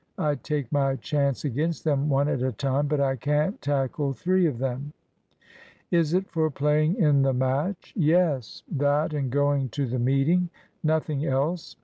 I'd take my chance against them one at a time, but I can't tackle three of them." "Is it for playing in the match?" "Yes, that and going to the meeting. Nothing else.